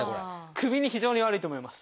首に非常に悪いと思います。